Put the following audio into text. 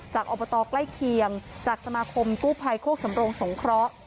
อบตใกล้เคียงจากสมาคมกู้ภัยโคกสำรงสงเคราะห์